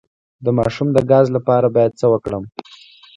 د ماشوم د ګاز لپاره باید څه وکړم؟